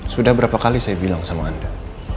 sudah berapa kali saya bilang sama anda